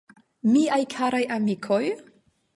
Miaj karaj amikoj?